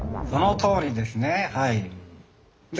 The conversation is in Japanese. そのとおりですね。